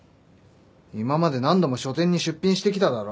今まで何度も書展に出品してきただろ？